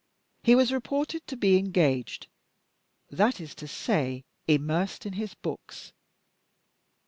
He was reported to be engaged; that is to say, immersed in his books.